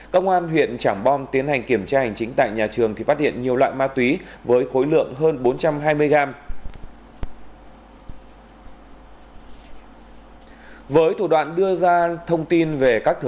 công an huyện trảng bom tiến hành kiểm tra hành chính tại nhà trường thì phát hiện nhiều loại ma túy với khối lượng hơn bốn trăm hai mươi gram